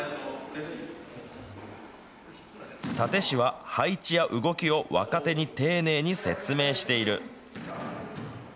タテ師は、配置や動きを若手に丁寧に説明している。